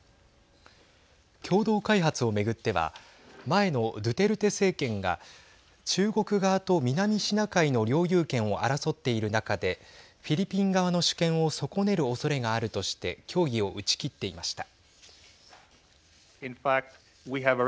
共同開発を巡っては前のドゥテルテ政権が中国側と南シナ海の領有権を争っている中でフィリピン側の主権を損ねるおそれがあるとして協議を打ち切っていました。